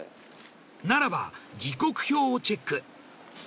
ならば時刻表をチェック。